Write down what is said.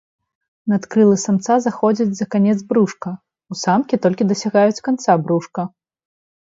Надкрылы самца заходзяць за канец брушка, у самкі толькі дасягаюць канца брушка.